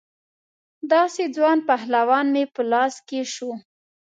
داسې ځوان پهلوان مې په لاس کې شو.